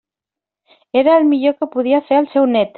Era el millor que podia fer el seu nét.